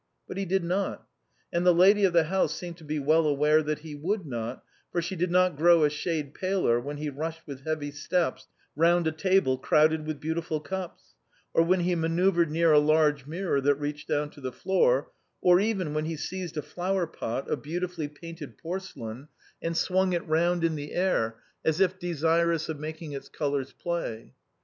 But he THE CREMONA VIOLIN, S did not ; and the lady of the house seemed to be well aware that he would not, for she did not grow a shade paler when he rushed with heavy steps round a table crowded with beautiful cups, or when he manoeuvred near a large mirror that reached down to the floor, or even when he seized a flower pot of beautifully painted porcelain and swung it round in the air as if desirous of making its colours play.